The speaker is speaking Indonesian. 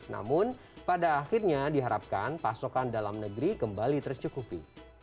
namun pada akhirnya diharapkan pasokan dalam negeri kembali tercukupi